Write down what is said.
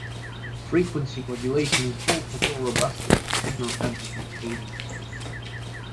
Frequency modulation is also more robust against signal-amplitude-fading phenomena.